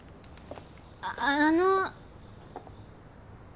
ああっあの。